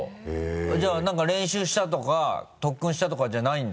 じゃあ何か練習したとか特訓したとかじゃないんだ？